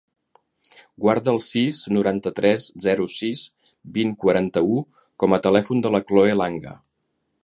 Guarda el sis, noranta-tres, zero, sis, vint, quaranta-u com a telèfon de la Chloe Langa.